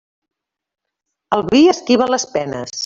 El vi esquiva les penes.